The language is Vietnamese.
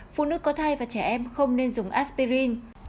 phụ nữ có thai và trẻ em không nên dùng asperine